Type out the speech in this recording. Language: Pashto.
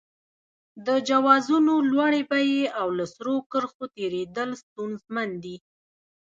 د جوازونو لوړې بیې او له سرو کرښو تېرېدل ستونزمن دي.